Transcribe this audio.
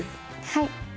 はい。